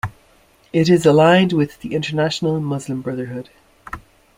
It is aligned with the international Muslim Brotherhood.